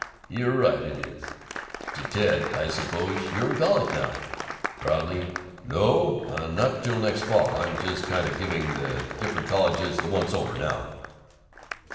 "You're right, it is." To Ted: "I suppose you're in college now." Proudly, "No, not till next fall. I'm just kind of giving the diff'rent colleges the once over now."